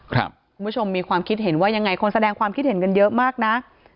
คุณผู้ชมมีความคิดเห็นว่ายังไงคนแสดงความคิดเห็นกันเยอะมากนะ